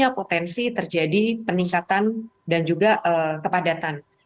dan juga potensi terjadi peningkatan dan juga kepadatan